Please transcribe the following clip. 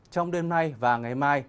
trong đêm nay và ngày mai